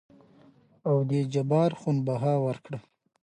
او دې جبار خون بها ورکړه.